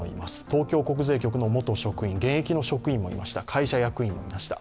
東京国税局の現役の職員もいました、会社役員もいました。